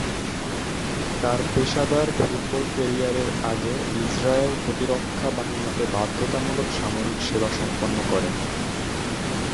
তার পেশাদার ফুটবল ক্যারিয়ারের আগে ইসরায়েল প্রতিরক্ষা বাহিনীতে বাধ্যতামূলক সামরিক সেবা সম্পন্ন করেন।